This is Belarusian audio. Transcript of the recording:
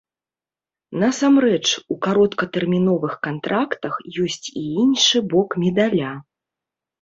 Насамрэч, у кароткатэрміновых кантрактах ёсць і іншы бок медаля.